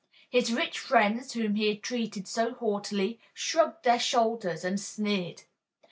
His rich friends, whom he had treated so haughtily, shrugged their shoulders and sneered.